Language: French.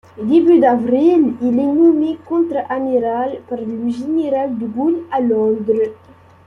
Début avril, il est nommé contre-amiral par le général de Gaulle à Londres.